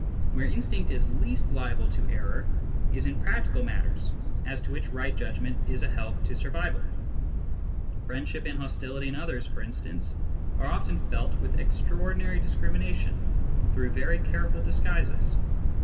Where instinct is least liable to error is in practical matters as to which right judgment is a help to survival : friendship and hostility in others, for instance, are often felt with extraordinary discrimination through very careful disguises.